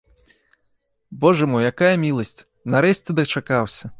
Божа мой, якая міласць, нарэшце дачакаўся!